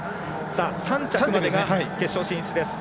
３着までが決勝進出です。